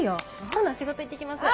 ほな仕事行ってきます。